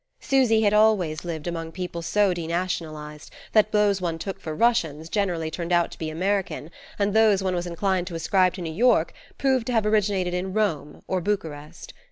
Susy had always lived among people so denationalized that those one took for Russians generally turned out to be American, and those one was inclined to ascribe to New York proved to have originated in Rome or Bucharest.